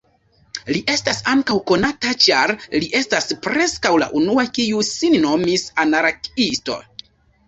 Li estas ankaŭ konata ĉar li estas preskaŭ la unua kiu sin nomis "anarkiisto".